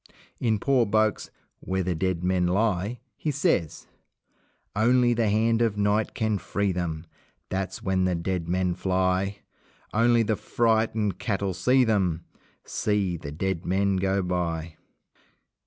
In poor Boake's "Where the Dead Men Lie" he says: Only the hand of Night can free them That's when the dead men fly! Only the frightened cattle see them See the dead men go by!